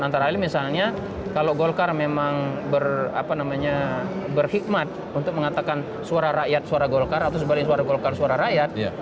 antara lain misalnya kalau golkar memang berhikmat untuk mengatakan suara rakyat suara golkar atau sebalik suara golkar suara rakyat